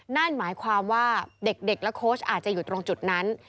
นั่นหมายความว่าเด็กและโค้ชอาจจะอยู่ตรงจุดนั้น